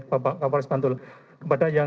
bapak kapolres bantul kepada yang